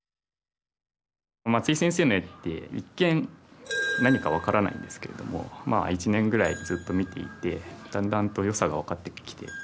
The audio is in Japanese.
松井先生の絵って一見何か分からないんですけれどもまあ一年ぐらいずっと見ていてだんだんと良さが分かってきて。